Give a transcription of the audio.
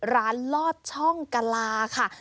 ร้านลอดช่องกะลาค่ะ